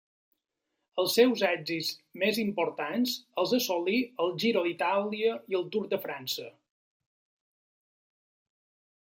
Els seus èxits més importants els assolí al Giro d'Itàlia i al Tour de França.